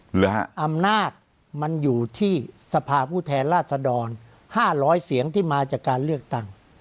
อำนาจมันอยู่ที่สภาพผู้แทนราชดร๕๐๐เสียงที่มาจากการเลือกตั้ง